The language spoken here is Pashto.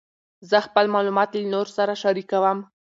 زه خپل معلومات له نورو سره شریکوم.